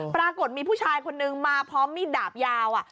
ปรากฏมีผู้ชายคนนึงมาพร้อมมีดดาบยาว